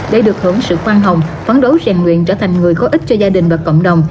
để được hưởng sự khoan hồng phán đấu rèn luyện trở thành người có ích cho gia đình và cộng đồng